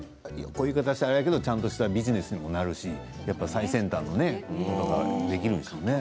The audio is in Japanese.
こういう言い方をしたらあれだけれどもちゃんとしたビジネスにもなるし最先端のことができるんでしょうね。